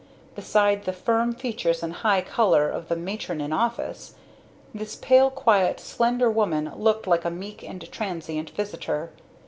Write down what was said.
Beside the firm features and high color of the matron in office, this pale quiet slender woman looked like a meek and transient visitor.